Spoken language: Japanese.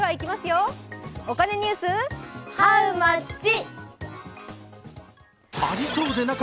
「お金ニュース」ハウマッチ？